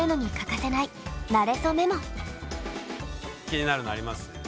気になるのあります？